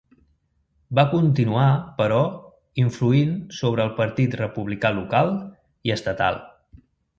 Va continuar, però, influint sobre el Partit Republicà local i estatal.